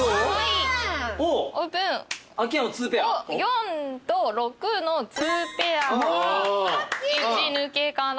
４と６の２ペア一抜けかな。